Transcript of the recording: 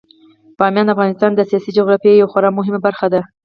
بامیان د افغانستان د سیاسي جغرافیې یوه خورا مهمه برخه ده.